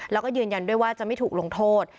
แล้วก็ยืนยันด้วยว่าจะไม่ถูกลงโทษ